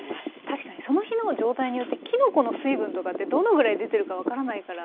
確かにその日の状態によってきのこの水分とかってどのぐらい出てるか分からないから。